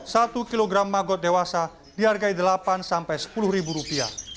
satu kilogram magot dewasa dihargai rp delapan sepuluh ribu rupiah